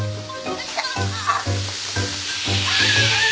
よいしょ！